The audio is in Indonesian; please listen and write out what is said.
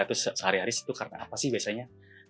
itu sehari hari sih itu karena apa sih biasanya